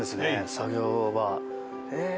作業場。